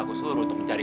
makasih ya san